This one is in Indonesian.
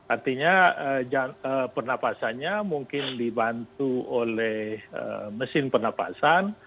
artinya penapasannya mungkin dibantu oleh mesin penapasan